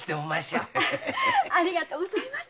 ありがとうございます！